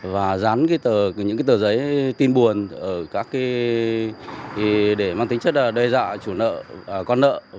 và dán những tờ giấy tin buồn để mang tính chất đe dọa chủ nợ